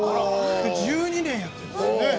１２年やってるんですね。